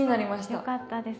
よかったです。